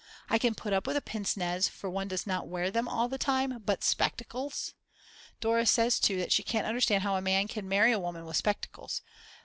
I can put up with a pincenez for one does not wear them all the time. But spectacles! Dora says too that she can't understand how a man can marry a woman with spectacles.